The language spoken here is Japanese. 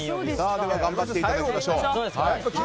でも頑張っていただきましょう。